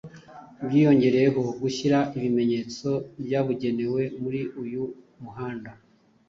byiyongereyeho gushyira ibimenyetso byabugenewe muri uyu muhanda